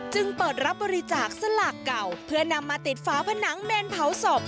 จึงเปิดรับบริจาคสลากเก่าเพื่อนำมาติดฝาผนังเมนเผาศพ